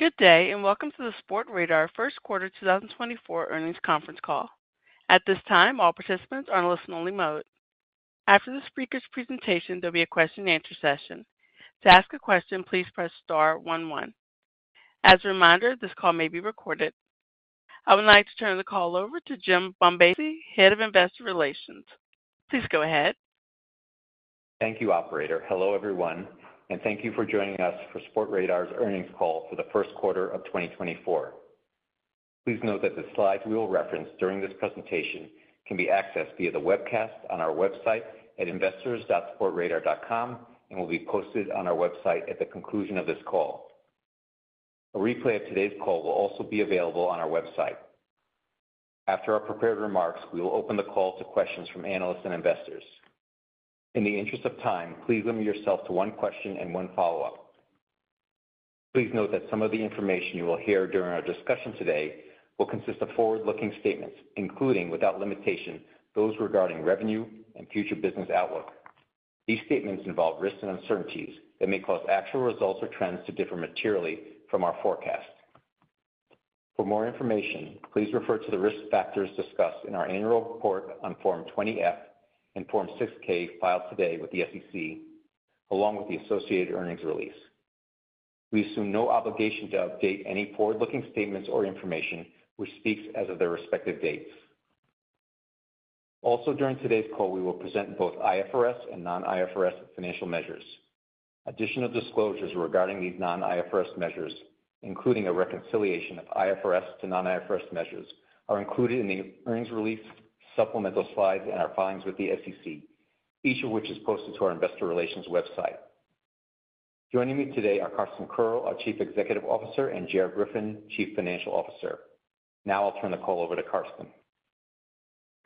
Good day, and welcome to the Sportradar First Quarter 2024 Earnings Conference Call. At this time, all participants are in listen-only mode. After the speaker's presentation, there'll be a question-and-answer session. To ask a question, please press star one, one. As a reminder, this call may be recorded. I would like to turn the call over to Jim Bombassei, Head of Investor Relations. Please go ahead. Thank you, operator. Hello, everyone, and thank you for joining us for Sportradar's Earnings Call for the First Quarter of 2024. Please note that the slides we will reference during this presentation can be accessed via the webcast on our website at investors.sportradar.com, and will be posted on our website at the conclusion of this call. A replay of today's call will also be available on our website. After our prepared remarks, we will open the call to questions from analysts and investors. In the interest of time, please limit yourself to one question and one follow-up. Please note that some of the information you will hear during our discussion today will consist of forward-looking statements, including, without limitation, those regarding revenue and future business outlook. These statements involve risks and uncertainties that may cause actual results or trends to differ materially from our forecasts. For more information, please refer to the risk factors discussed in our annual report on Form 20-F and Form 6-K filed today with the SEC, along with the associated earnings release. We assume no obligation to update any forward-looking statements or information, which speaks as of their respective dates. Also, during today's call, we will present both IFRS and non-IFRS financial measures. Additional disclosures regarding these non-IFRS measures, including a reconciliation of IFRS to non-IFRS measures, are included in the earnings release, supplemental slides, and our filings with the SEC, each of which is posted to our investor relations website. Joining me today are Carsten Koerl, our Chief Executive Officer, and Gerard Griffin, Chief Financial Officer. Now I'll turn the call over to Carsten.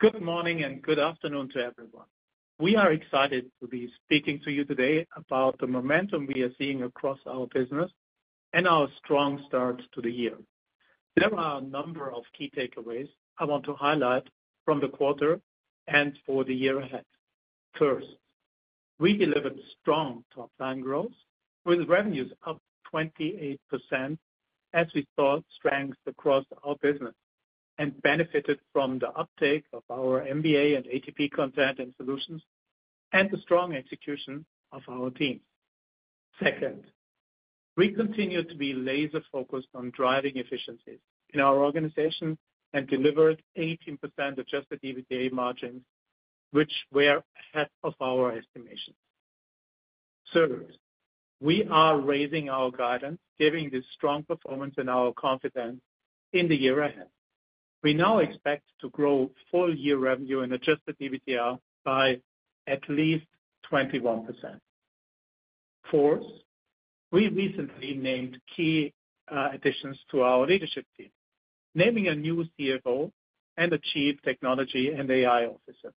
Good morning and good afternoon to everyone. We are excited to be speaking to you today about the momentum we are seeing across our business and our strong start to the year. There are a number of key takeaways I want to highlight from the quarter and for the year ahead. First, we delivered strong top-line growth, with revenues up 28% as we saw strength across our business and benefited from the uptake of our NBA and ATP content and solutions and the strong execution of our team. Second, we continue to be laser-focused on driving efficiencies in our organization and delivered 18% Adjusted EBITDA margins, which were ahead of our estimations. Third, we are raising our guidance, giving this strong performance and our confidence in the year ahead. We now expect to grow full-year revenue and Adjusted EBITDA by at least 21%. Fourth, we recently named key additions to our leadership team, naming a new CFO and a Chief Technology and AI Officer.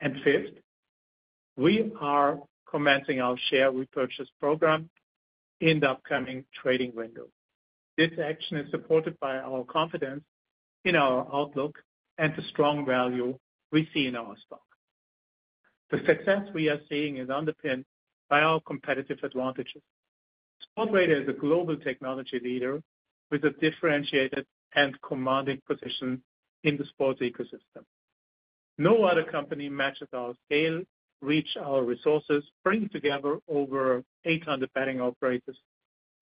And fifth, we are commencing our share repurchase program in the upcoming trading window. This action is supported by our confidence in our outlook and the strong value we see in our stock. The success we are seeing is underpinned by our competitive advantages. Sportradar is a global technology leader with a differentiated and commanding position in the sports ecosystem. No other company matches our scale, reach, our resources, bringing together over 800 betting operators,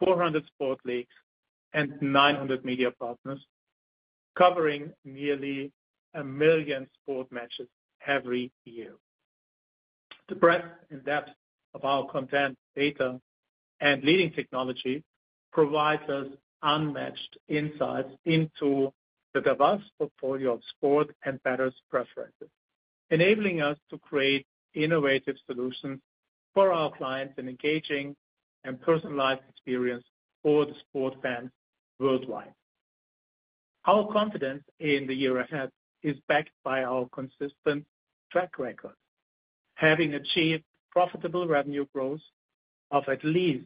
400 sport leagues, and 900 media partners, covering nearly a million sport matches every year. The breadth and depth of our content, data, and leading technology provides us unmatched insights into the diverse portfolio of sports and bettors' preferences, enabling us to create innovative solutions for our clients and engaging and personalized experience for the sports fans worldwide. Our confidence in the year ahead is backed by our consistent track record. Having achieved profitable revenue growth of at least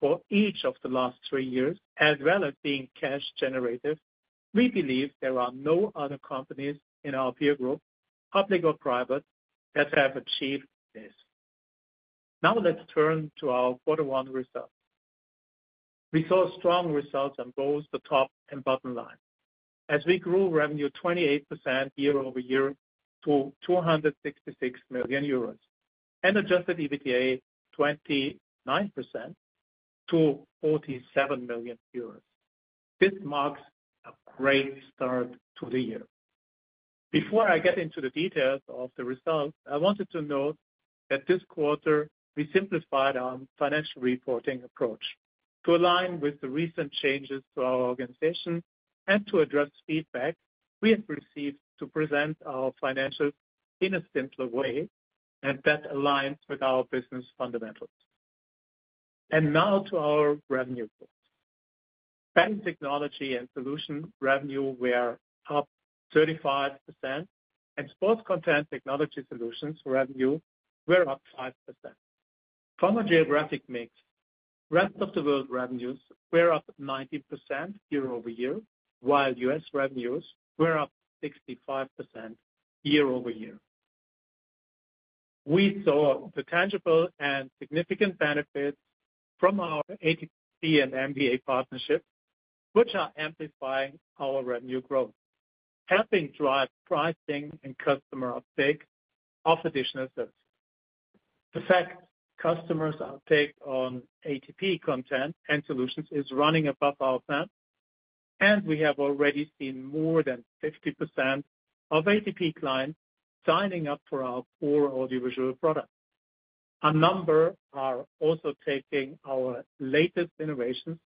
20% for each of the last three years, as well as being cash generative, we believe there are no other companies in our peer group, public or private, that have achieved this. Now let's turn to our quarter one results. We saw strong results on both the top and bottom line, as we grew revenue 28% year-over-year to 266 million euros, and Adjusted EBITDA 29% to 47 million euros. This marks a great start to the year. Before I get into the details of the results, I wanted to note that this quarter we simplified our financial reporting approach. To align with the recent changes to our organization and to address feedback, we have received to present our financials in a simpler way and that aligns with our business fundamentals. Now to our revenue growth. Fan technology and solution revenue were up 35%, and sports content technology solutions revenue were up 5%. From a geographic mix, rest of the world revenues were up 19% year-over-year, while US revenues were up 65% year-over-year. We saw the tangible and significant benefits from our ATP and NBA partnership, which are amplifying our revenue growth, helping drive pricing and customer uptake of additional services. In fact, customers' uptake on ATP content and solutions is running above our plan, and we have already seen more than 50% of ATP clients signing up for our core audiovisual products. A number are also taking our latest innovations,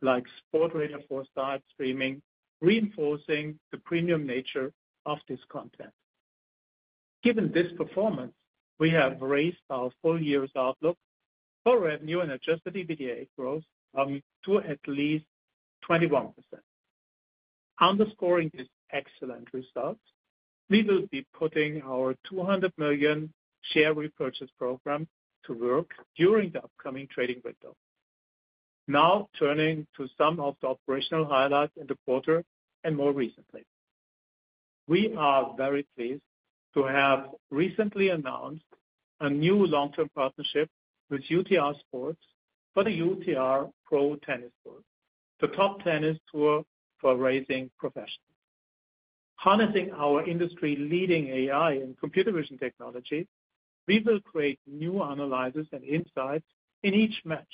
like Sportradar 4Sight streaming, reinforcing the premium nature of this content. Given this performance, we have raised our full year's outlook for revenue and Adjusted EBITDA growth to at least 21%. Underscoring this excellent results, we will be putting our 200 million share repurchase program to work during the upcoming trading window. Now turning to some of the operational highlights in the quarter and more recently. We are very pleased to have recently announced a new long-term partnership with UTR Sports for the UTR Pro Tennis Tour, the top tennis tour for raising professionals. Harnessing our industry-leading AI and computer vision technology, we will create new analyzers and insights in each match,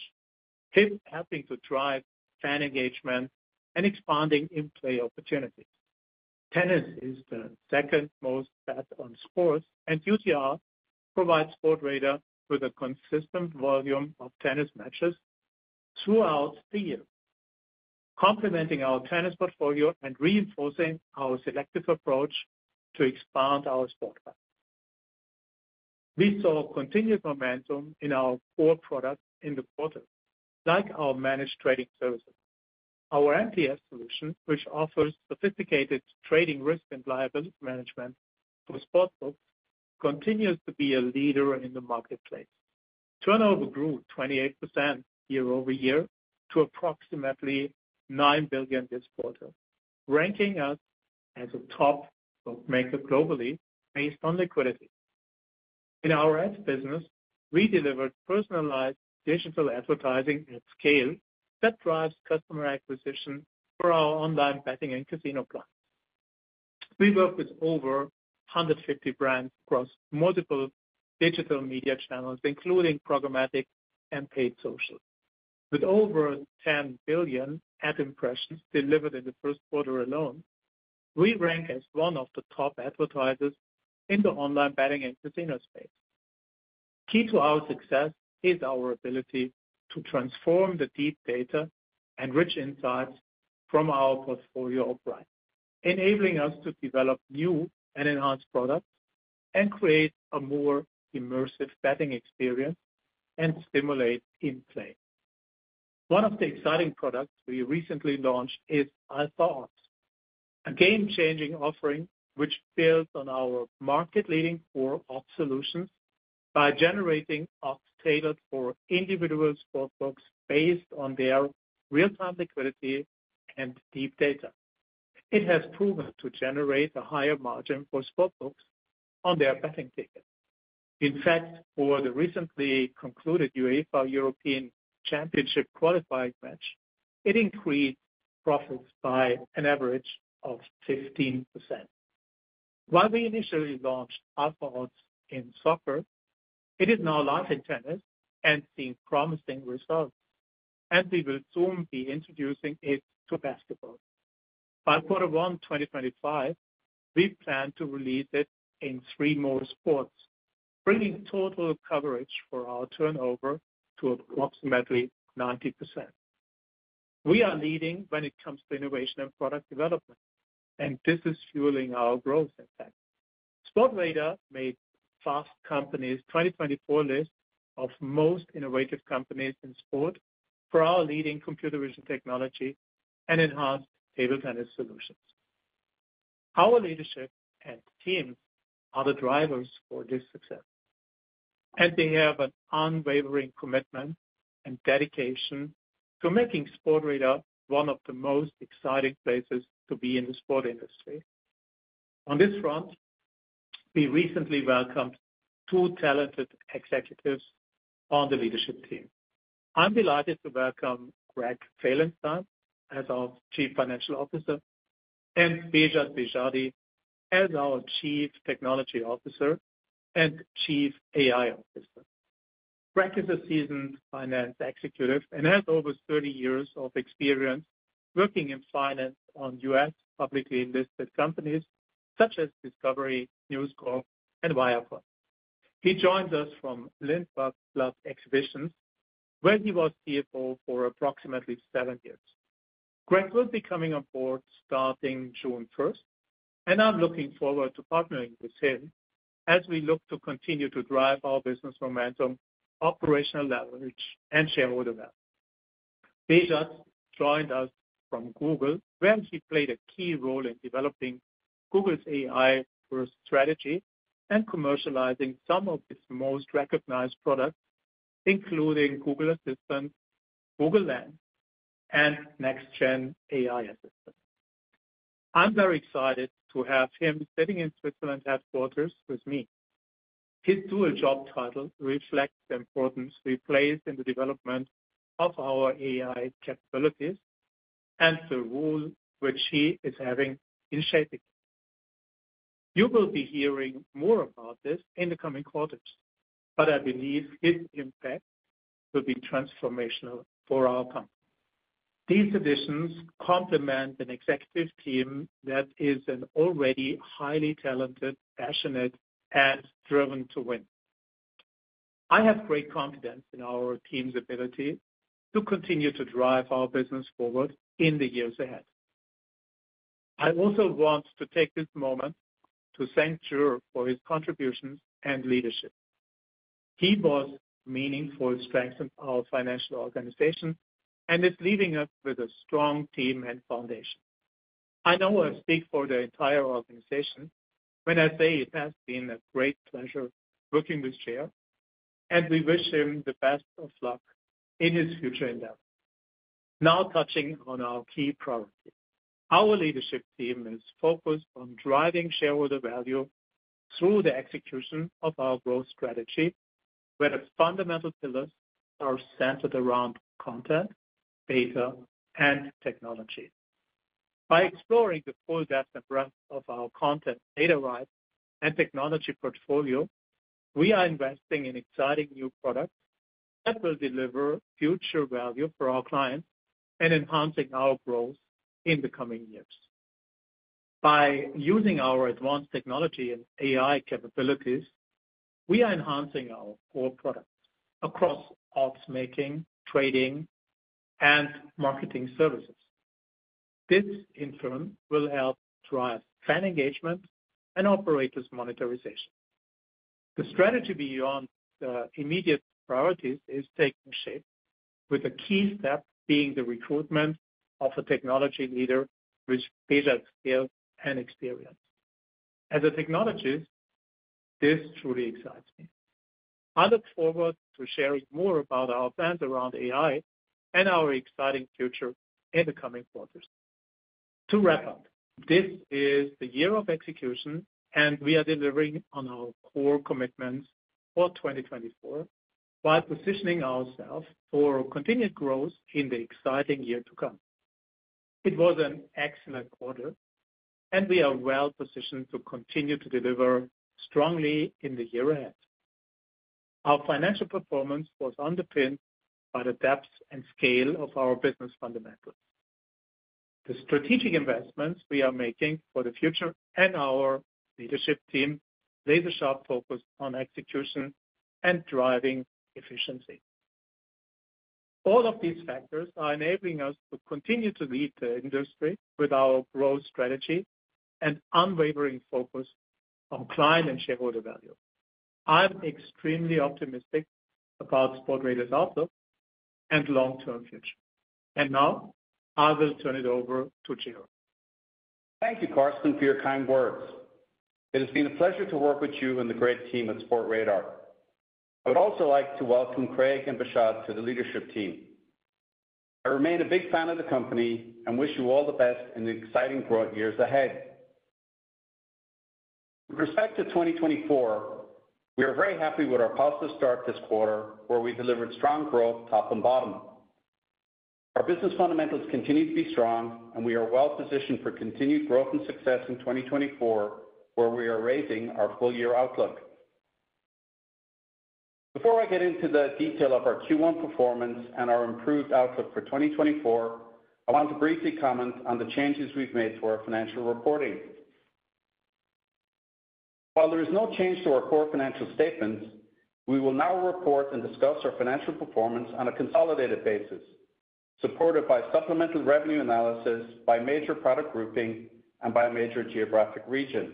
helping to drive fan engagement and expanding in-play opportunities. Tennis is the second most bet on sports, and UTR provides Sportradar with a consistent volume of tennis matches throughout the year, complementing our tennis portfolio and reinforcing our selective approach to expand our sportsbook. We saw continued momentum in our core products in the quarter, like our managed trading services. Our MTS solution, which offers sophisticated trading risk and liability management to sportsbooks, continues to be a leader in the marketplace. Turnover grew 28% year-over-year to approximately 9 billion this quarter, ranking us as a top bookmaker globally based on liquidity. In our ads business, we delivered personalized digital advertising at scale that drives customer acquisition for our online betting and casino clients. We work with over 150 brands across multiple digital media channels, including programmatic and paid social. With over 10 billion ad impressions delivered in the first quarter alone, we rank as one of the top advertisers in the online betting and casino space. Key to our success is our ability to transform the deep data and rich insights from our portfolio of brands, enabling us to develop new and enhanced products and create a more immersive betting experience and stimulate in-play. One of the exciting products we recently launched is Alpha Odds, a game-changing offering, which builds on our market-leading core odds solutions by generating odds tailored for individual sportsbooks based on their real-time liquidity and deep data. It has proven to generate a higher margin for sportsbooks on their betting tickets. In fact, for the recently concluded UEFA European Championship qualifying match, it increased profits by an average of 15%. While we initially launched Alpha Odds in soccer, it is now live in tennis and seeing promising results, and we will soon be introducing it to basketball. By quarter one, 2025, we plan to release it in three more sports, bringing total coverage for our turnover to approximately 90%. We are leading when it comes to innovation and product development, and this is fueling our growth impact. Sportradar made Fast Company's 2024 list of most innovative companies in sport for our leading computer vision technology and enhanced table tennis solutions. Our leadership and team are the drivers for this success, and they have an unwavering commitment and dedication to making Sportradar one of the most exciting places to be in the sport industry. On this front, we recently welcomed two talented executives on the leadership team. I'm delighted to welcome Craig Felenstein as our Chief Financial Officer and Behzad Behzadi as our Chief Technology Officer and Chief AI Officer. Craig is a seasoned finance executive and has over 30 years of experience working in finance on US publicly listed companies such as Discovery, News Corp, and Viacom. He joins us from Lindblad Expeditions, where he was CFO for approximately seven years. Craig will be coming on board starting June first, and I'm looking forward to partnering with him as we look to continue to drive our business momentum, operational leverage, and shareholder value. Behzad joined us from Google, where he played a key role in developing Google's AI growth strategy and commercializing some of its most recognized products, including Google Assistant, Google Lens, and Next Gen AI Assistant.... I'm very excited to have him sitting in Switzerland headquarters with me. His dual job title reflects the importance we place in the development of our AI capabilities and the role which he is having in shaping. You will be hearing more about this in the coming quarters, but I believe his impact will be transformational for our company. These additions complement an executive team that is an already highly talented, passionate, and driven to win. I have great confidence in our team's ability to continue to drive our business forward in the years ahead. I also want to take this moment to thank Gerard for his contributions and leadership. He brought meaningful strength in our financial organization and is leaving us with a strong team and foundation. I know I speak for the entire organization when I say it has been a great pleasure working with Gerard, and we wish him the best of luck in his future endeavors. Now touching on our key priorities. Our leadership team is focused on driving shareholder value through the execution of our growth strategy, where the fundamental pillars are centered around content, data rights, and technology. By exploring the full depth and breadth of our content, data rights, and technology portfolio, we are investing in exciting new products that will deliver future value for our clients and enhancing our growth in the coming years. By using our advanced technology and AI capabilities, we are enhancing our core products across odds making, trading, and marketing services. This, in turn, will help drive fan engagement and operators' monetization. The strategy beyond the immediate priorities is taking shape, with a key step being the recruitment of a technology leader with Behzad's skills and experience. As a technologist, this truly excites me. I look forward to sharing more about our plans around AI and our exciting future in the coming quarters. To wrap up, this is the year of execution, and we are delivering on our core commitments for 2024, while positioning ourselves for continued growth in the exciting year to come. It was an excellent quarter, and we are well positioned to continue to deliver strongly in the year ahead. Our financial performance was underpinned by the depth and scale of our business fundamentals. The strategic investments we are making for the future, and our leadership team's laser-sharp focus on execution and driving efficiency. All of these factors are enabling us to continue to lead the industry with our growth strategy and unwavering focus on client and shareholder value. I'm extremely optimistic about Sportradar's outlook and long-term future. Now, I will turn it over to Gerard. Thank you, Carsten, for your kind words. It has been a pleasure to work with you and the great team at Sportradar. I would also like to welcome Craig and Behzad to the leadership team. I remain a big fan of the company and wish you all the best in the exciting growth years ahead. With respect to 2024, we are very happy with our positive start this quarter, where we delivered strong growth, top and bottom. Our business fundamentals continue to be strong, and we are well positioned for continued growth and success in 2024, where we are raising our full-year outlook. Before I get into the detail of our Q1 performance and our improved outlook for 2024, I want to briefly comment on the changes we've made to our financial reporting. While there is no change to our core financial statements, we will now report and discuss our financial performance on a consolidated basis, supported by supplemental revenue analysis, by major product grouping and by major geographic region.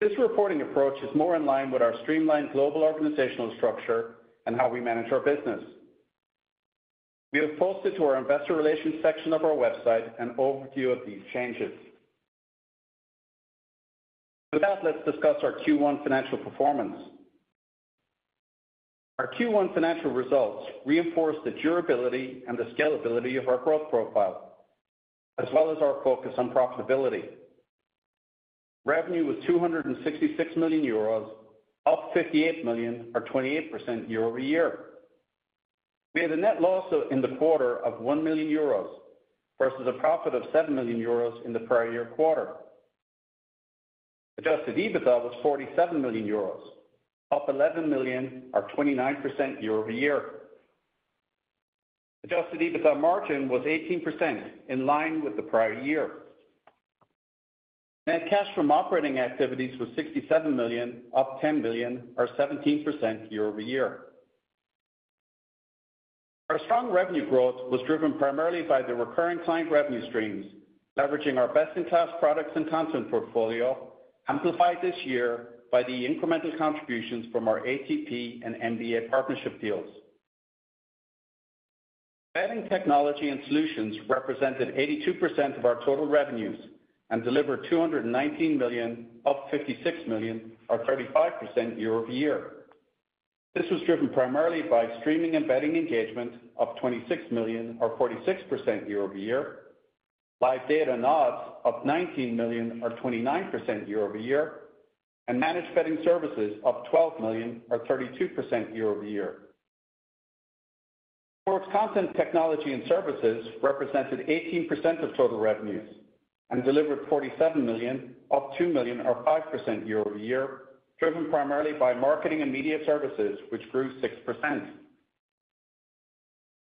This reporting approach is more in line with our streamlined global organizational structure and how we manage our business. We have posted to our investor relations section of our website an overview of these changes. With that, let's discuss our Q1 financial performance. Our Q1 financial results reinforce the durability and the scalability of our growth profile, as well as our focus on profitability. Revenue was 266 million euros, up 58 million, or 28% year-over-year. We had a net loss in the quarter of 1 million euros versus a profit of 7 million euros in the prior year quarter. Adjusted EBITDA was 47 million euros, up 11 million, or 29% year-over-year. Adjusted EBITDA margin was 18%, in line with the prior year. Net cash from operating activities was 67 million, up 10 million, or 17% year-over-year. Our strong revenue growth was driven primarily by the recurring client revenue streams, leveraging our best-in-class products and content portfolio, amplified this year by the incremental contributions from our ATP and NBA partnership deals. Betting technology and solutions represented 82% of our total revenues and delivered 219 million, up 56 million, or 35% year-over-year.... This was driven primarily by streaming and betting engagement of 26 million or 46% year-over-year, live data and odds of 19 million or 29% year-over-year, and managed betting services of 12 million or 32% year-over-year. Sports content, technology and services represented 18% of total revenues and delivered 47 million, up 2 million or 5% year-over-year, driven primarily by marketing and media services, which grew 6%.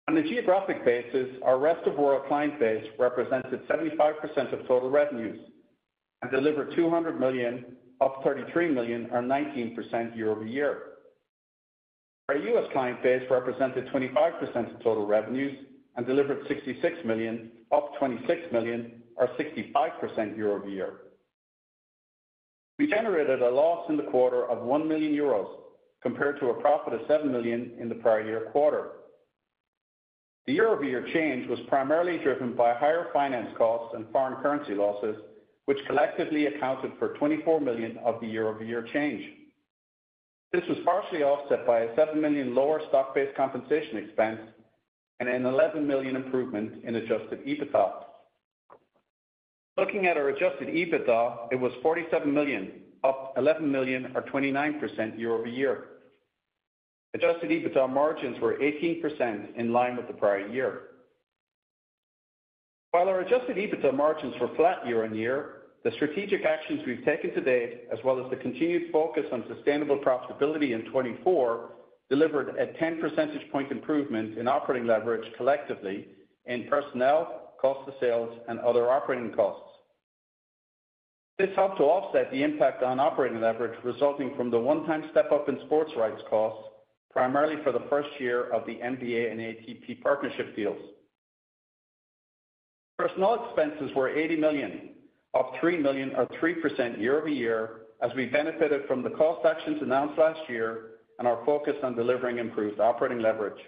On a geographic basis, our rest of world client base represented 75% of total revenues and delivered 200 million, up 33 million or 19% year-over-year. Our US client base represented 25% of total revenues and delivered 66 million, up 26 million or 65% year-over-year. We generated a loss in the quarter of 1 million euros compared to a profit of 7 million in the prior year quarter. The year-over-year change was primarily driven by higher finance costs and foreign currency losses, which collectively accounted for 24 million of the year-over-year change. This was partially offset by a 7 million lower stock-based compensation expense and an 11 million improvement in Adjusted EBITDA. Looking at our adjusted EBITDA, it was 47 million, up 11 million or 29% year-over-year. Adjusted EBITDA margins were 18% in line with the prior year. While our adjusted EBITDA margins were flat year-on-year, the strategic actions we've taken to date, as well as the continued focus on sustainable profitability in 2024, delivered a 10 percentage point improvement in operating leverage collectively in personnel, cost of sales, and other operating costs. This helped to offset the impact on operating leverage, resulting from the one-time step-up in sports rights costs, primarily for the first year of the NBA and ATP partnership deals. Personnel expenses were 80 million, up 3 million or 3% year-over-year, as we benefited from the cost actions announced last year and our focus on delivering improved operating leverage.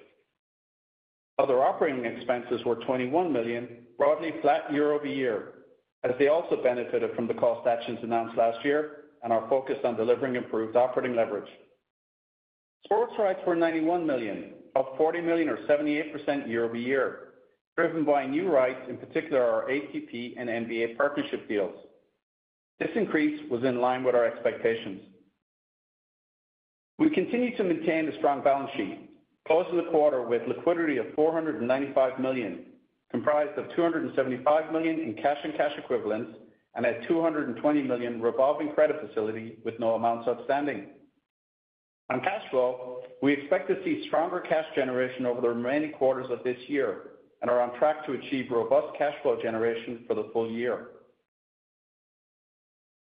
Other operating expenses were 21 million, broadly flat year-over-year, as they also benefited from the cost actions announced last year and are focused on delivering improved operating leverage. Sports rights were 91 million, up 40 million or 78% year-over-year, driven by new rights, in particular, our ATP and NBA partnership deals. This increase was in line with our expectations. We continued to maintain a strong balance sheet, closing the quarter with liquidity of 495 million, comprised of 275 million in cash and cash equivalents and a 220 million revolving credit facility with no amounts outstanding. On cash flow, we expect to see stronger cash generation over the remaining quarters of this year and are on track to achieve robust cash flow generation for the full year.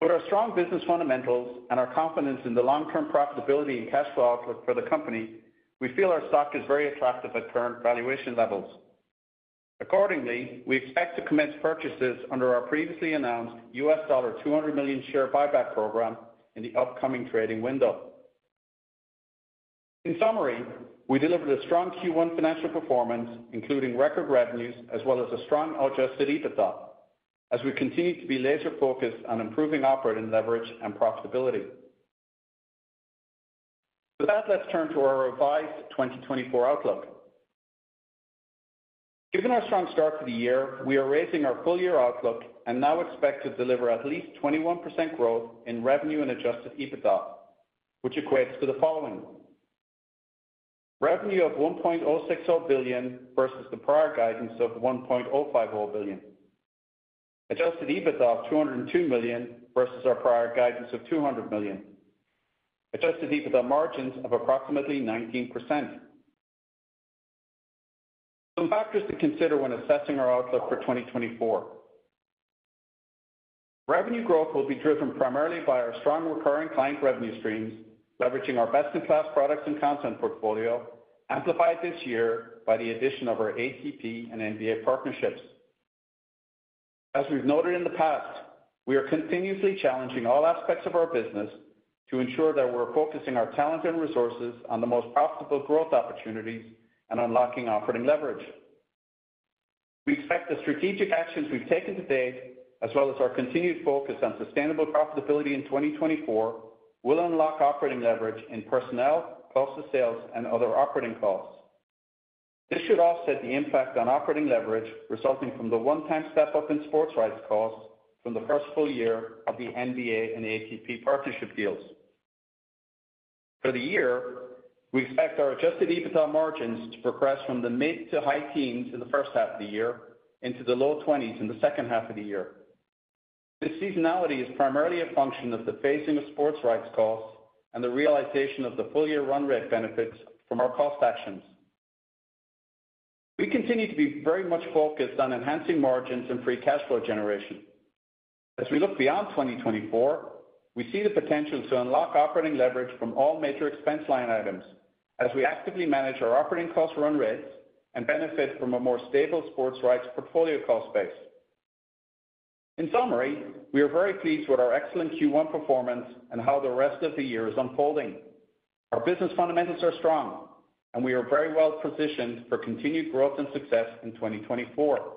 With our strong business fundamentals and our confidence in the long-term profitability and cash flow outlook for the company, we feel our stock is very attractive at current valuation levels. Accordingly, we expect to commence purchases under our previously announced $200 million share buyback program in the upcoming trading window. In summary, we delivered a strong Q1 financial performance, including record revenues as well as a strong Adjusted EBITDA, as we continue to be laser-focused on improving operating leverage and profitability. With that, let's turn to our revised 2024 outlook. Given our strong start to the year, we are raising our full-year outlook and now expect to deliver at least 21% growth in revenue and Adjusted EBITDA, which equates to the following: revenue of 1.060 billion versus the prior guidance of 1.050 billion. Adjusted EBITDA of 202 million versus our prior guidance of 200 million. Adjusted EBITDA margins of approximately 19%. Some factors to consider when assessing our outlook for 2024. Revenue growth will be driven primarily by our strong recurring client revenue streams, leveraging our best-in-class products and content portfolio, amplified this year by the addition of our ATP and NBA partnerships. As we've noted in the past, we are continuously challenging all aspects of our business to ensure that we're focusing our talent and resources on the most profitable growth opportunities and unlocking operating leverage. We expect the strategic actions we've taken to date, as well as our continued focus on sustainable profitability in 2024, will unlock operating leverage in personnel, cost of sales, and other operating costs. This should offset the impact on operating leverage, resulting from the one-time step-up in sports rights costs from the first full year of the NBA and ATP partnership deals. For the year, we expect our adjusted EBITDA margins to progress from the mid- to high-teens in the first half of the year into the low twenties in the second half of the year. This seasonality is primarily a function of the phasing of sports rights costs and the realization of the full-year run rate benefits from our cost actions. We continue to be very much focused on enhancing margins and free cash flow generation. As we look beyond 2024, we see the potential to unlock operating leverage from all major expense line items as we actively manage our operating cost run rates and benefit from a more stable sports rights portfolio cost base. In summary, we are very pleased with our excellent Q1 performance and how the rest of the year is unfolding. Our business fundamentals are strong, and we are very well positioned for continued growth and success in 2024.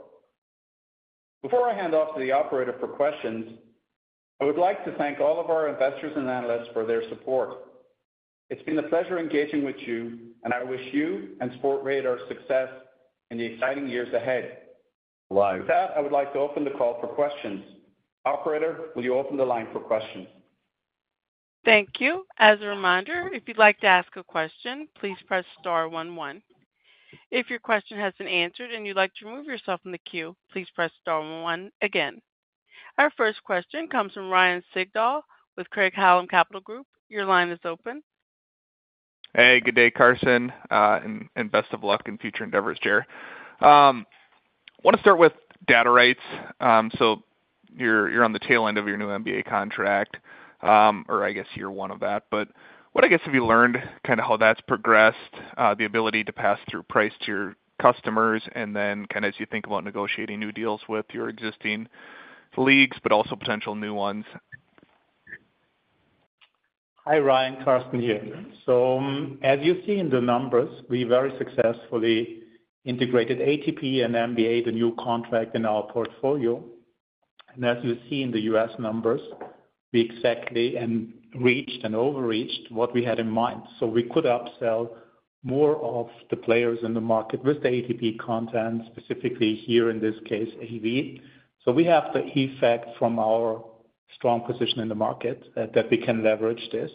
Before I hand off to the operator for questions, I would like to thank all of our investors and analysts for their support. It's been a pleasure engaging with you, and I wish you and Sportradar success in the exciting years ahead. With that, I would like to open the call for questions. Operator, will you open the line for questions? Thank you. As a reminder, if you'd like to ask a question, please press star one one. If your question has been answered and you'd like to remove yourself from the queue, please press star one one again. Our first question comes from Ryan Sigdahl with Craig-Hallum Capital Group. Your line is open. Hey, good day, Carsten, and best of luck in future endeavors, Ger. Want to start with data rights. So you're on the tail end of your new NBA contract, or I guess you're one of that. But what I guess have you learned, kind of how that's progressed, the ability to pass through price to your customers, and then kind of as you think about negotiating new deals with your existing leagues, but also potential new ones? Hi, Ryan, Carsten here. So as you see in the numbers, we very successfully integrated ATP and NBA, the new contract in our portfolio. And as you see in the US numbers, we exactly and reached and overreached what we had in mind. So we could upsell more of the players in the market with the ATP content, specifically here in this case, AV. So we have the effect from our strong position in the market that we can leverage this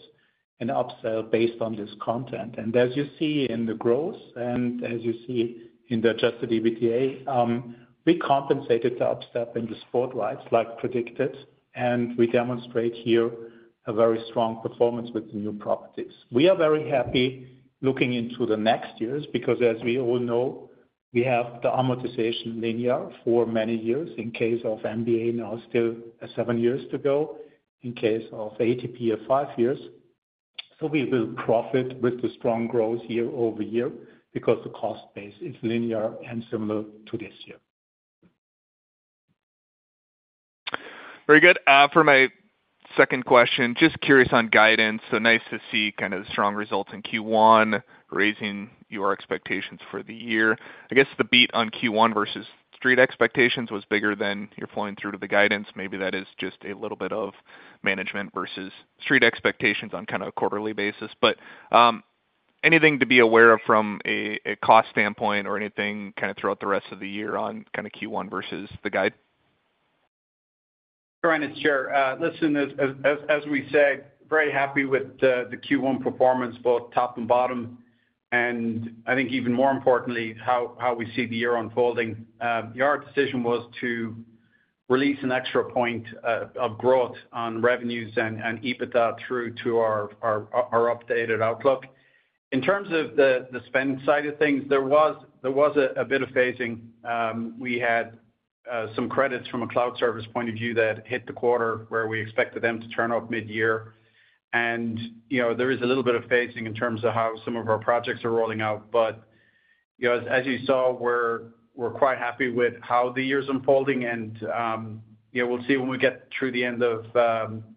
and upsell based on this content. And as you see in the growth and as you see in the adjusted EBITDA, we compensated the upstep in the spotlight, like predicted, and we demonstrate here a very strong performance with the new properties. We are very happy looking into the next years because, as we all know, we have the amortization linear for many years in case of NBA, now still seven years to go, in case of ATP, five years. So we will profit with the strong growth year-over-year because the cost base is linear and similar to this year. Very good. For my second question, just curious on guidance. So nice to see kind of the strong results in Q1, raising your expectations for the year. I guess the beat on Q1 versus Street expectations was bigger than you're flowing through to the guidance. Maybe that is just a little bit of management versus Street expectations on kind of a quarterly basis. But, anything to be aware of from a cost standpoint or anything, kind of throughout the rest of the year on kind of Q1 versus the guide? This is Gerard. Listen, as we said, very happy with the Q1 performance, both top and bottom, and I think even more importantly, how we see the year unfolding. Our decision was to release an extra point of growth on revenues and EBITDA through to our updated outlook. In terms of the spend side of things, there was a bit of phasing. We had some credits from a cloud service point of view that hit the quarter where we expected them to turn off mid-year. You know, there is a little bit of phasing in terms of how some of our projects are rolling out. You know, as you saw, we're quite happy with how the year's unfolding and, yeah, we'll see when we get through the end of,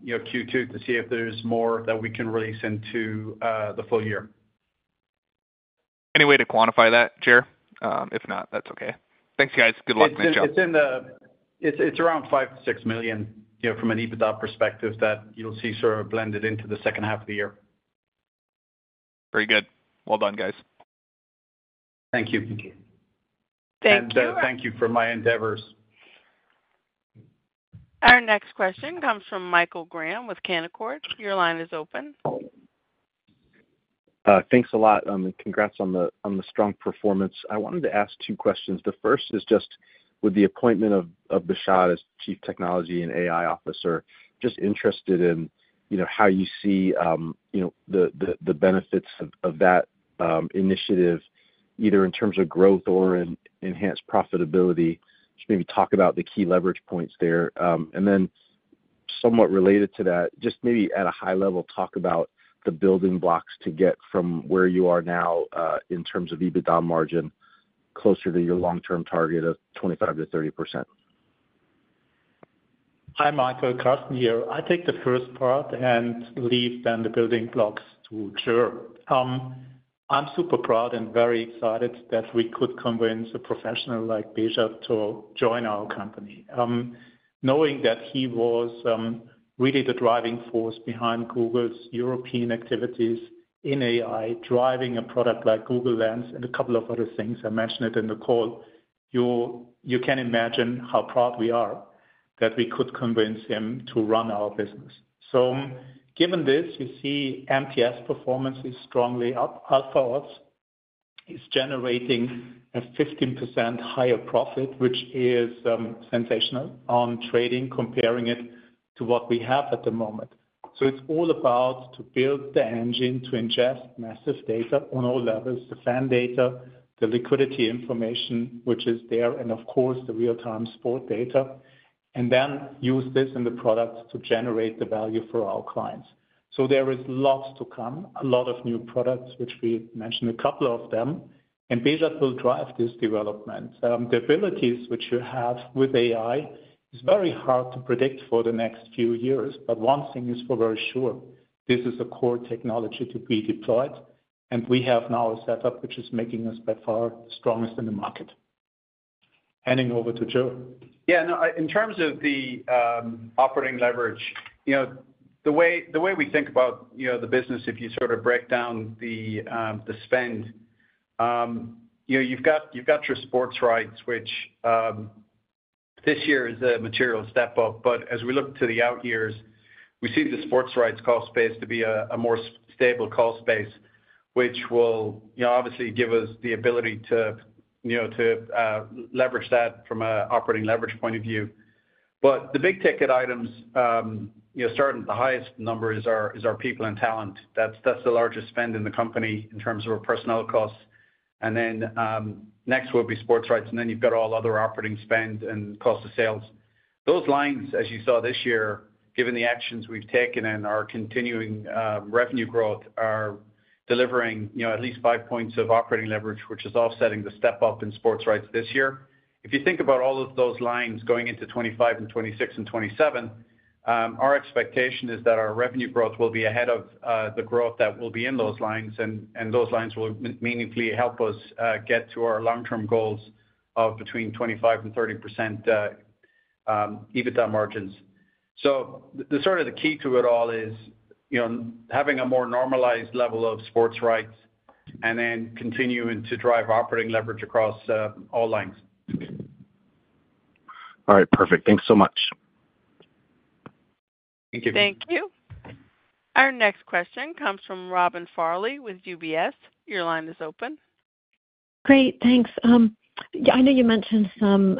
you know, Q2 to see if there's more that we can release into the full year. Any way to quantify that, Ger? If not, that's okay. Thanks, guys. Good luck. Great job. It's around 5 million-6 million, you know, from an EBITDA perspective that you'll see sort of blended into the second half of the year. Very good. Well done, guys. Thank you. Thank you. Thank you for my endeavors. Our next question comes from Michael Graham with Canaccord. Your line is open. Thanks a lot, and congrats on the strong performance. I wanted to ask two questions. The first is just with the appointment of Behzad as Chief Technology and AI Officer, just interested in, you know, how you see, you know, the benefits of that initiative, either in terms of growth or in enhanced profitability. Just maybe talk about the key leverage points there. And then somewhat related to that, just maybe at a high level, talk about the building blocks to get from where you are now, in terms of EBITDA margin, closer to your long-term target of 25%-30%. Hi, Michael, Carsten here. I take the first part and leave then the building blocks to Ger. I'm super proud and very excited that we could convince a professional like Behzad to join our company. Knowing that he was really the driving force behind Google's European activities in AI, driving a product like Google Lens and a couple of other things, I mentioned it in the call, you can imagine how proud we are that we could convince him to run our business. So given this, you see MBS performance is strongly up. Alpha Odds is generating a 15% higher profit, which is sensational on trading, comparing it to what we have at the moment. So it's all about to build the engine to ingest massive data on all levels, the fan data, the liquidity information, which is there, and of course, the real-time sport data, and then use this in the products to generate the value for our clients. So there is lots to come, a lot of new products, which we mentioned a couple of them, and Behzad will drive this development. The abilities which you have with AI is very hard to predict for the next few years, but one thing is for very sure, this is a core technology to be deployed... and we have now a setup which is making us by far the strongest in the market. Handing over to Joe. Yeah, no, in terms of the operating leverage, you know, the way, the way we think about, you know, the business, if you sort of break down the spend, you know, you've got your sports rights, which this year is a material step up. But as we look to the out years, we see the sports rights cost base to be a more stable cost base, which will, you know, obviously give us the ability to, you know, to leverage that from a operating leverage point of view. But the big-ticket items, you know, starting at the highest numbers is our people and talent. That's the largest spend in the company in terms of our personnel costs. And then, next will be sports rights, and then you've got all other operating spend and cost of sales. Those lines, as you saw this year, given the actions we've taken and our continuing revenue growth, are delivering, you know, at least five points of operating leverage, which is offsetting the step up in sports rights this year. If you think about all of those lines going into 2025 and 2026 and 2027, our expectation is that our revenue growth will be ahead of the growth that will be in those lines, and those lines will meaningfully help us get to our long-term goals of between 25% and 30% EBITDA margins. The sort of key to it all is, you know, having a more normalized level of sports rights and then continuing to drive operating leverage across all lines. All right, perfect. Thanks so much. Thank you. Thank you. Our next question comes from Robin Farley with UBS. Your line is open. Great, thanks. Yeah, I know you mentioned some,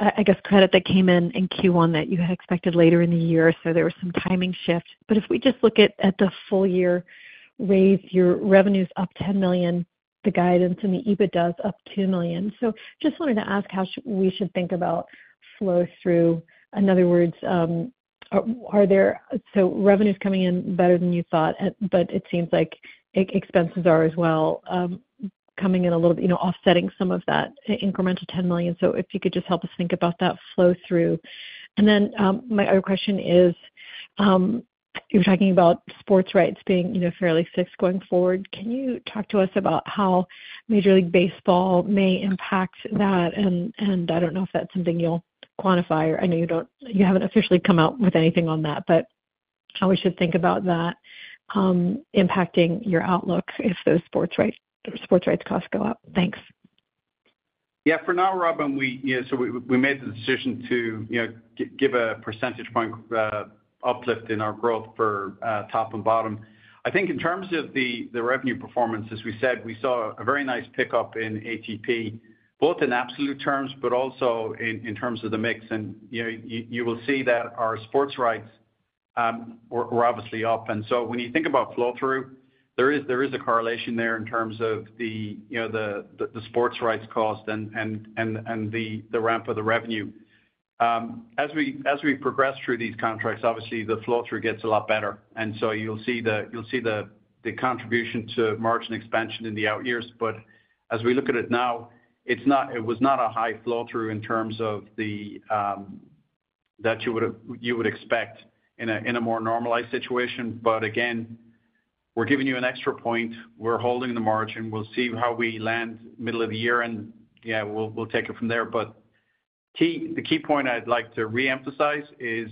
I guess, credit that came in in Q1 that you had expected later in the year, so there was some timing shifts. But if we just look at the full year raise, your revenue's up 10 million, the guidance and the EBITDA is up 2 million. So just wanted to ask how we should think about flow through. In other words, are there-- So revenue's coming in better than you thought, but it seems like expenses are as well, coming in a little, you know, offsetting some of that incremental 10 million. So if you could just help us think about that flow through. And then, my other question is, you were talking about sports rights being, you know, fairly fixed going forward. Can you talk to us about how Major League Baseball may impact that? And I don't know if that's something you'll quantify or I know you don't, you haven't officially come out with anything on that, but how we should think about that, impacting your outlook if those sports rights, sports rights costs go up? Thanks. Yeah, for now, Robin, we made the decision to, you know, give a percentage point uplift in our growth for top and bottom. I think in terms of the revenue performance, as we said, we saw a very nice pickup in ATP, both in absolute terms, but also in terms of the mix. And, you know, you will see that our sports rights were obviously up. And so when you think about flow through, there is a correlation there in terms of the, you know, the sports rights cost and the ramp of the revenue. As we progress through these contracts, obviously the flow-through gets a lot better, and so you'll see the contribution to margin expansion in the out years. But as we look at it now, it's not. It was not a high flow-through in terms of the that you would expect in a more normalized situation. But again, we're giving you an extra point. We're holding the margin. We'll see how we land middle of the year, and yeah, we'll take it from there. But key. The key point I'd like to reemphasize is,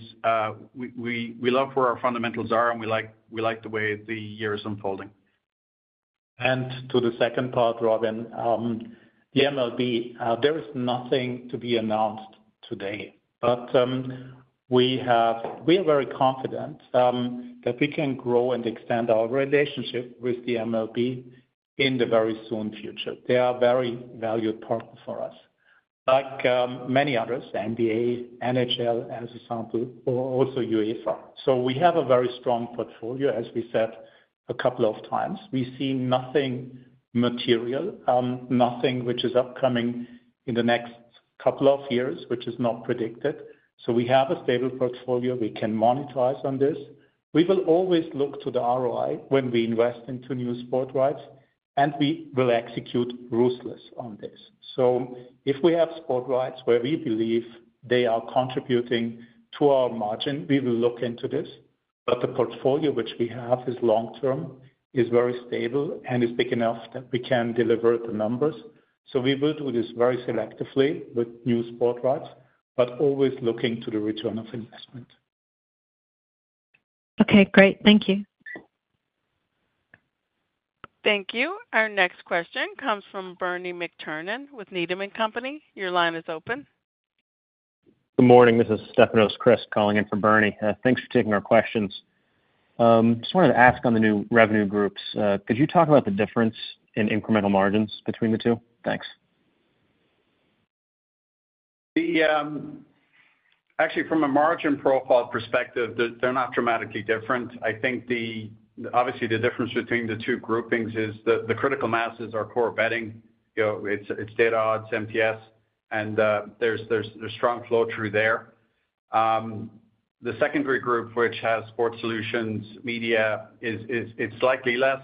we love where our fundamentals are, and we like the way the year is unfolding. To the second part, Robin, the MLB, there is nothing to be announced today, but, we are very confident, that we can grow and extend our relationship with the MLB in the very soon future. They are a very valued partner for us, like, many others, NBA, NHL, as a sample, or also UEFA. So we have a very strong portfolio, as we said a couple of times. We see nothing material, nothing which is upcoming in the next couple of years, which is not predicted. So we have a stable portfolio. We can monetize on this. We will always look to the ROI when we invest into new sport rights, and we will execute ruthless on this. So if we have sport rights where we believe they are contributing to our margin, we will look into this. But the portfolio which we have is long term, is very stable, and is big enough that we can deliver the numbers. So we will do this very selectively with new sports rights, but always looking to the return on investment. Okay, great. Thank you. Thank you. Our next question comes from Bernie McTernan with Needham & Company. Your line is open. Good morning. This is Stefanos Crist calling in for Bernie McTernan. Thanks for taking our questions. Just wanted to ask on the new revenue groups, could you talk about the difference in incremental margins between the two? Thanks. Actually, from a margin profile perspective, they're not dramatically different. I think obviously, the difference between the two groupings is the critical masses are core betting. You know, it's data, odds, MBS, and there's strong flow through there. The secondary group, which has sports solutions, media, is; it's slightly less,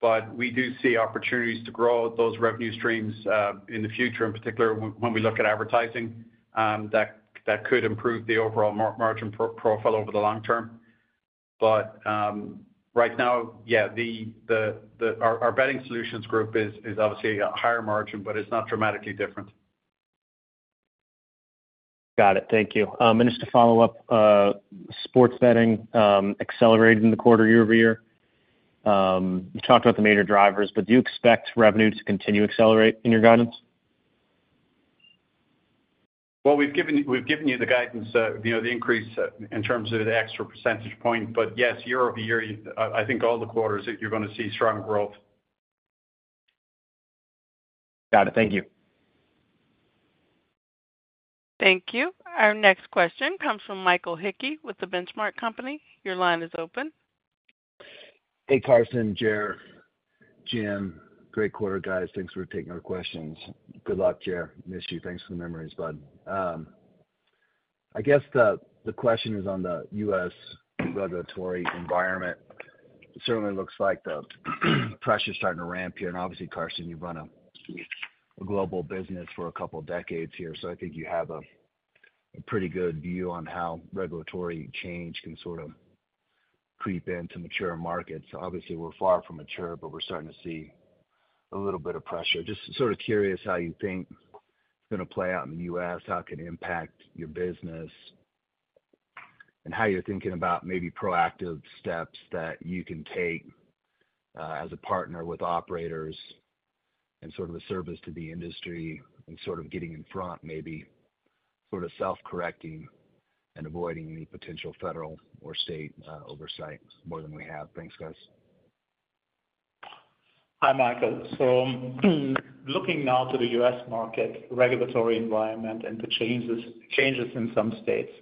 but we do see opportunities to grow those revenue streams in the future, in particular, when we look at advertising, that could improve the overall margin profile over the long term. But right now, yeah, our betting solutions group is obviously a higher margin, but it's not dramatically different. ... Got it. Thank you. And just to follow up, sports betting accelerated in the quarter year-over-year. You talked about the major drivers, but do you expect revenue to continue to accelerate in your guidance? Well, we've given, we've given you the guidance, you know, the increase in terms of the extra percentage point, but yes, year-over-year, I think all the quarters that you're going to see strong growth. Got it. Thank you. Thank you. Our next question comes from Michael Hickey with The Benchmark Company. Your line is open. Hey, Carsten, Gerard, Jim, great quarter, guys. Thanks for taking our questions. Good luck, Gerard. Miss you. Thanks for the memories, bud. I guess the question is on the U.S. regulatory environment. It certainly looks like the pressure's starting to ramp here, and obviously, Carsten, you've run a global business for a couple of decades here, so I think you have a pretty good view on how regulatory change can sort of creep into mature markets. Obviously, we're far from mature, but we're starting to see a little bit of pressure. Just sort of curious how you think it's going to play out in the US, how it can impact your business, and how you're thinking about maybe proactive steps that you can take, as a partner with operators and sort of a service to the industry, and sort of getting in front, maybe sort of self-correcting and avoiding any potential federal or state oversight more than we have? Thanks, guys. Hi, Michael. Looking now to the U.S. market regulatory environment and the changes in some states,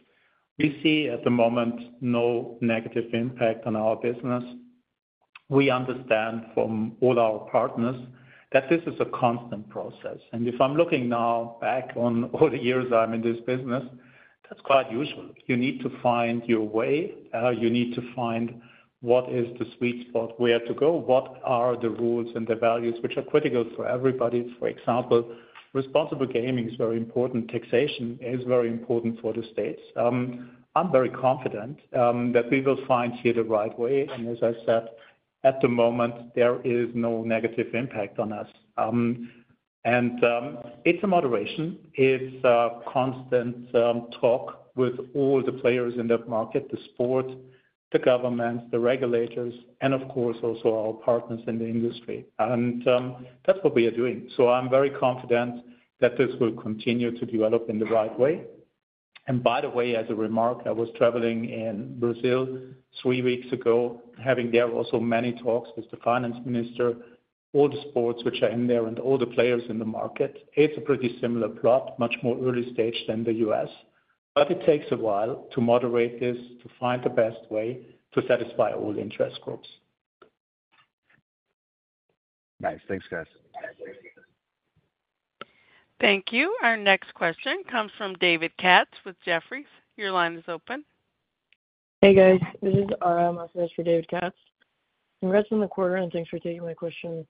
we see at the moment no negative impact on our business. We understand from all our partners that this is a constant process, and if I'm looking now back on all the years I'm in this business, that's quite usual. You need to find your way. You need to find what is the sweet spot, where to go, what are the rules and the values which are critical for everybody. For example, Responsible Gaming is very important. Taxation is very important for the states. I'm very confident that we will find here the right way, and as I said, at the moment, there is no negative impact on us. It's a moderation. It's a constant talk with all the players in the market, the sports, the governments, the regulators, and of course, also our partners in the industry. That's what we are doing. I'm very confident that this will continue to develop in the right way. By the way, as a remark, I was traveling in Brazil three weeks ago, having there also many talks with the finance minister, all the sports which are in there and all the players in the market. It's a pretty similar plot, much more early stage than the US, but it takes a while to moderate this, to find the best way to satisfy all the interest groups. Nice. Thanks, guys. Thank you. Our next question comes from David Katz with Jefferies. Your line is open. Hey, guys. This is Araceli Masias for David Katz. Congrats on the quarter, and thanks for taking my question.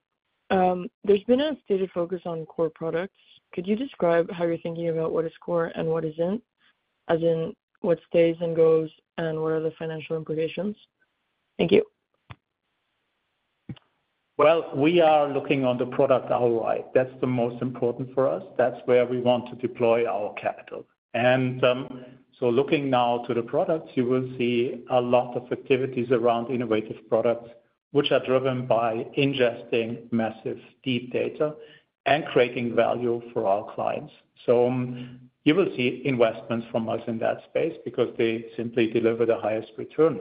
There's been a stated focus on core products. Could you describe how you're thinking about what is core and what isn't, as in what stays and goes, and what are the financial implications? Thank you. Well, we are looking on the product ROI. That's the most important for us. That's where we want to deploy our capital. And, so looking now to the products, you will see a lot of activities around innovative products, which are driven by ingesting massive deep data and creating value for our clients. So you will see investments from us in that space because they simply deliver the highest return.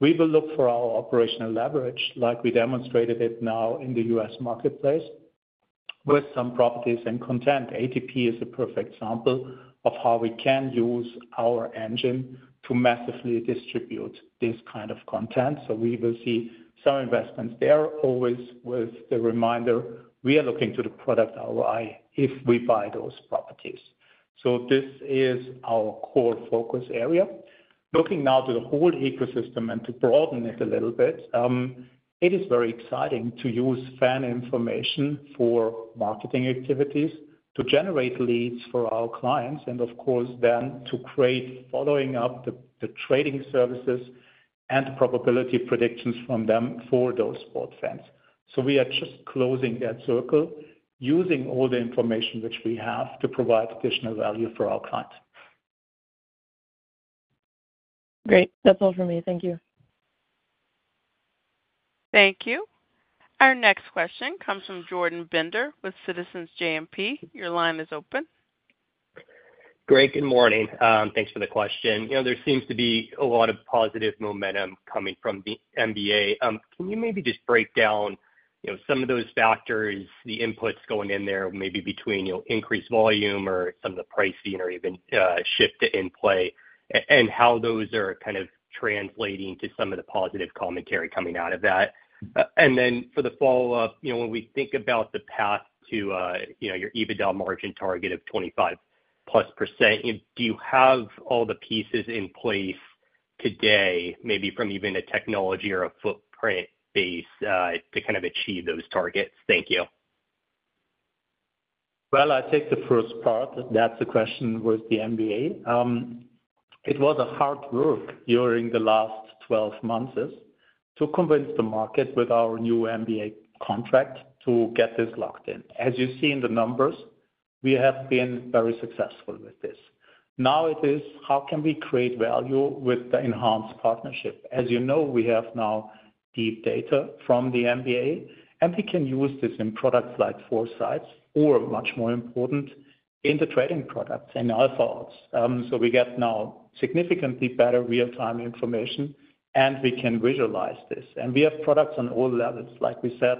We will look for our operational leverage, like we demonstrated it now in the U.S. marketplace, with some properties and content. ATP is a perfect example of how we can use our engine to massively distribute this kind of content. So we will see some investments there, always with the reminder, we are looking to the product ROI if we buy those properties. So this is our core focus area. Looking now to the whole ecosystem and to broaden it a little bit, it is very exciting to use fan information for marketing activities, to generate leads for our clients, and of course, then to create following up the trading services and probability predictions from them for those sports fans. So we are just closing that circle, using all the information which we have to provide additional value for our clients. Great. That's all for me. Thank you. Thank you. Our next question comes from Jordan Bender with Citizens JMP. Your line is open. Great. Good morning. Thanks for the question. You know, there seems to be a lot of positive momentum coming from the NBA. Can you maybe just break down, you know, some of those factors, the inputs going in there, maybe between, you know, increased volume or some of the pricing or even, shift in play, and how those are kind of translating to some of the positive commentary coming out of that? And then for the follow-up, you know, when we think about the path to, you know, your EBITDA margin target of 25%+, do you have all the pieces in place today, maybe from even a technology or a footprint base, to kind of achieve those targets? Thank you. Well, I'll take the first part. That's the question with the NBA. It was a hard work during the last 12 months, is to convince the market with our new NBA contract to get this locked in. As you see in the numbers, we have been very successful with this. Now it is, how can we create value with the enhanced partnership? As you know, we have now deep data from the NBA, and we can use this in products like 4Sight, or much more important, in the trading products, in Alpha Odds. So we get now significantly better real-time information, and we can visualize this. And we have products on all levels. Like we said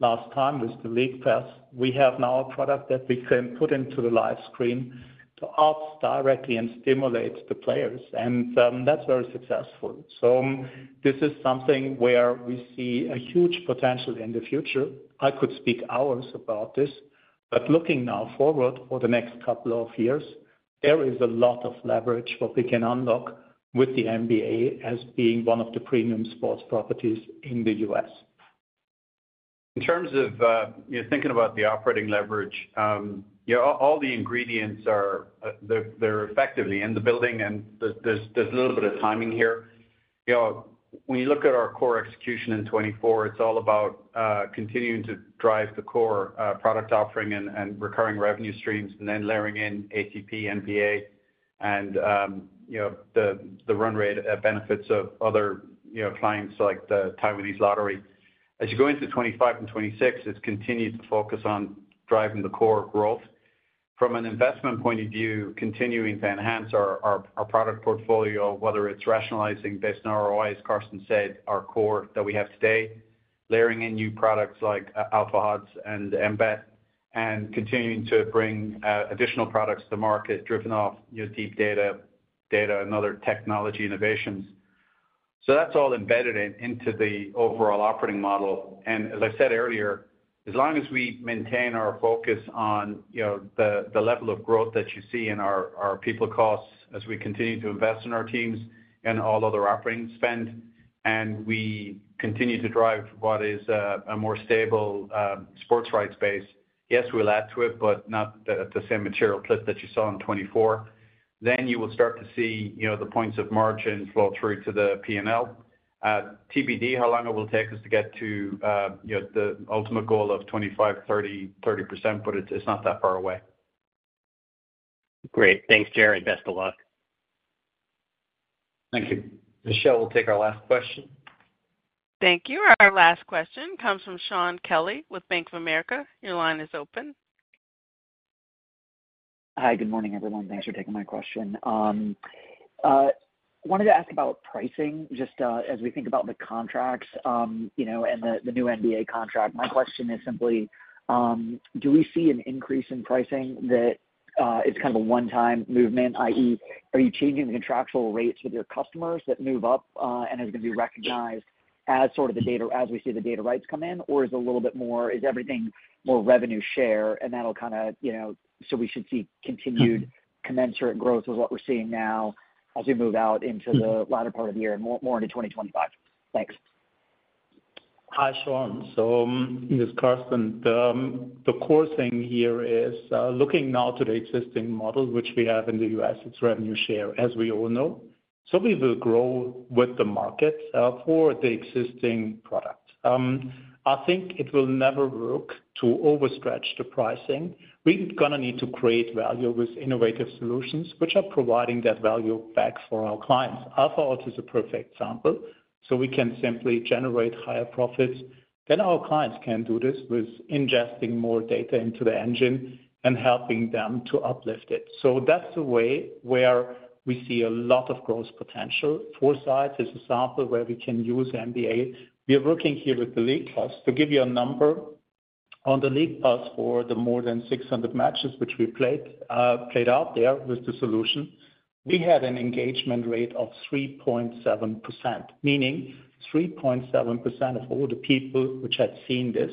last time, with the League Pass, we have now a product that we can put into the live screen to odds directly and stimulate the players, and, that's very successful. So this is something where we see a huge potential in the future. I could speak hours about this, but looking now forward for the next couple of years, there is a lot of leverage what we can unlock with the NBA as being one of the premium sports properties in the US. In terms of, you know, thinking about the operating leverage, yeah, all the ingredients are there, they're effectively in the building, and there's a little bit of timing here. You know, when you look at our core execution in 2024, it's all about continuing to drive the core product offering and recurring revenue streams, and then layering in ATP, NBA, and, you know, the run rate benefits of other, you know, clients, like the Taiwanese lottery. As you go into 2025 and 2026, it's continued to focus on driving the core growth. From an investment point of view, continuing to enhance our product portfolio, whether it's rationalizing based on ROI, as Carsten said, our core that we have today, layering in new products like Alpha Odds and emBET, and continuing to bring additional products to market, driven off, you know, deep data data and other technology innovations. So that's all embedded in into the overall operating model, and as I said earlier, as long as we maintain our focus on, you know, the level of growth that you see in our people costs as we continue to invest in our teams and all other operating spend, and we continue to drive what is a more stable sports rights base. Yes, we'll add to it, but not at the same material clip that you saw in 2024. Then you will start to see, you know, the points of margin flow through to the P&L. TBD, how long it will take us to get to, you know, the ultimate goal of 25, 30, 30%, but it's, it's not that far away. Great. Thanks, Gerry. Best of luck. Thank you. Michelle, we'll take our last question. Thank you. Our last question comes from Shaun Kelley with Bank of America. Your line is open. Hi, good morning, everyone. Thanks for taking my question. Wanted to ask about pricing, just, as we think about the contracts, you know, and the new NBA contract. My question is simply, do we see an increase in pricing that, it's kind of a one-time movement, i.e., are you changing the contractual rates with your customers that move up, and is gonna be recognized as sort of the data, as we see the data rights come in? Or is it a little bit more, is everything more revenue share and that'll kinda, you know, so we should see continued commensurate growth with what we're seeing now as we move out into the latter part of the year and more into 2025? Thanks. Hi, Shaun. So this is Carsten. The core thing here is looking now to the existing model, which we have in the US, it's revenue share, as we all know. So we will grow with the market for the existing product. I think it will never work to overstretch the pricing. We're gonna need to create value with innovative solutions, which are providing that value back for our clients. Alpha Odds is a perfect example, so we can simply generate higher profits. Then our clients can do this with ingesting more data into the engine and helping them to uplift it. So that's the way where we see a lot of growth potential. 4Sight is an example where we can use NBA. We are working here with the League Pass. To give you a number, on the League Pass for the more than 600 matches which we played, played out there with the solution, we had an engagement rate of 3.7%, meaning 3.7% of all the people which had seen this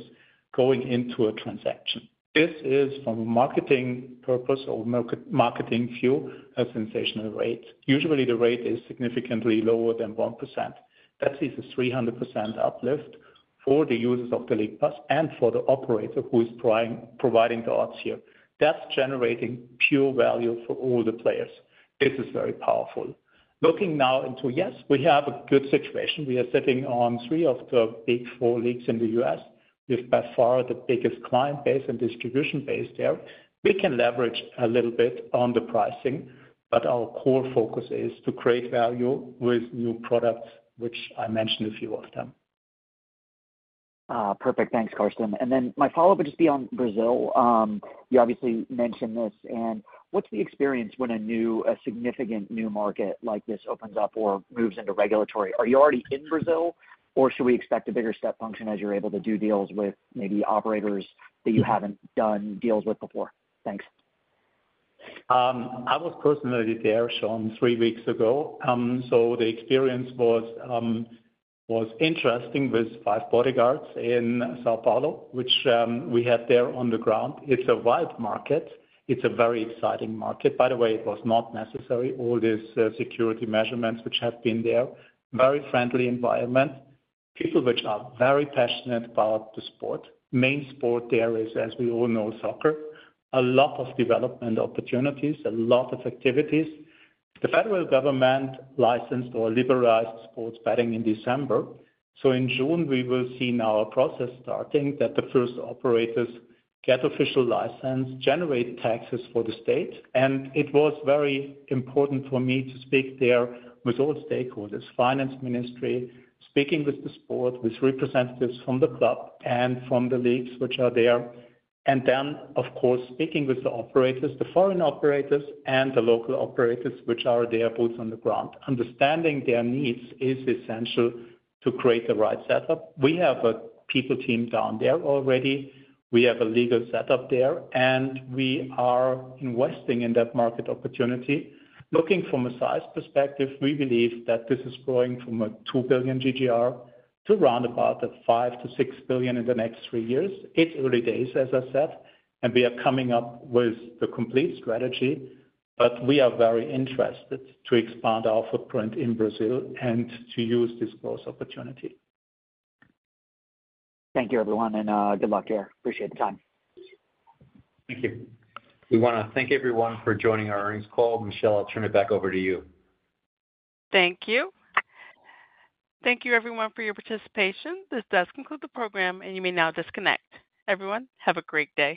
going into a transaction. This is, from a marketing purpose or marketing view, a sensational rate. Usually, the rate is significantly lower than 1%. That is a 300% uplift for the users of the League Pass and for the operator who is providing the odds here. That's generating pure value for all the players. This is very powerful. Looking now into... Yes, we have a good situation. We are sitting on three of the big four leagues in the US, with by far the biggest client base and distribution base there. We can leverage a little bit on the pricing, but our core focus is to create value with new products, which I mentioned a few of them. Ah, perfect. Thanks, Carsten. And then my follow-up would just be on Brazil. You obviously mentioned this, and what's the experience when a significant new market like this opens up or moves into regulatory? Are you already in Brazil, or should we expect a bigger step function as you're able to do deals with maybe operators that you haven't done deals with before? Thanks. I was personally there, Shaun, three weeks ago. So the experience was interesting with five bodyguards in São Paulo, which we had there on the ground. It's a wide market. It's a very exciting market. By the way, it was not necessary, all these security measurements which have been there. Very friendly environment. People which are very passionate about the sport. Main sport there is, as we all know, soccer. A lot of development opportunities, a lot of activities. The federal government licensed or liberalized sports betting in December, so in June we will see now a process starting that the first operators get official license, generate taxes for the state. And it was very important for me to speak there with all stakeholders, finance, ministry, speaking with the sport, with representatives from the club and from the leagues which are there. Then, of course, speaking with the operators, the foreign operators and the local operators, which are there, boots on the ground. Understanding their needs is essential to create the right setup. We have a people team down there already, we have a legal setup there, and we are investing in that market opportunity. Looking from a size perspective, we believe that this is growing from a $2 billion GGR to roundabout $5 billion-$6 billion in the next three years. It's early days, as I said, and we are coming up with the complete strategy, but we are very interested to expand our footprint in Brazil and to use this growth opportunity. Thank you, everyone, and good luck here. Appreciate the time. Thank you. We wanna thank everyone for joining our earnings call. Michelle, I'll turn it back over to you. Thank you. Thank you everyone for your participation. This does conclude the program, and you may now disconnect. Everyone, have a great day.